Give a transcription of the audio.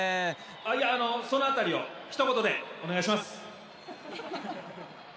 いやその辺りをひと言でお願いします！